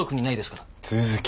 都築。